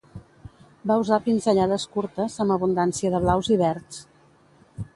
Va usar pinzellades curtes, amb abundància de blaus i verds.